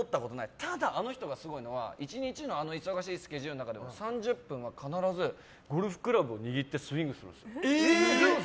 ただ、あの人がすごいのはあの忙しい１日のスケジュールの中でも３０分は必ずゴルフクラブを握ってスイングするんですよ。